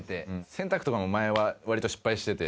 洗濯とかも前は割と失敗してて。